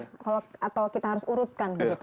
atau kita harus urutkan begitu